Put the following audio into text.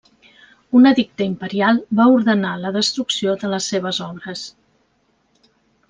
Un edicte imperial va ordenar la destrucció de les seves obres.